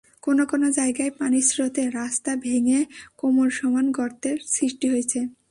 কোনো কোনো জায়গায় পানির স্রোতে রাস্তা ভেঙে কোমরসমান গর্তের সৃষ্টি হয়েছে।